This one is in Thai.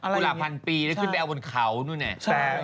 เวลาพันปีแล้วขึ้นไปเอาบนเขานู่นเนี่ย